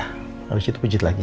habis itu pujit lagi ya